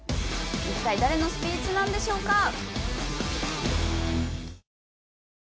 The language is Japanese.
一体誰のスピーチなんでしょうか？